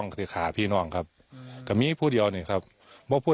เขาเป็นคนดีไม่เป็นพวก